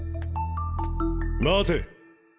待て。